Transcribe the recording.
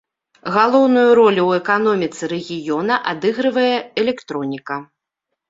Галоўную ролю ў эканоміцы рэгіёна адыгрывае электроніка.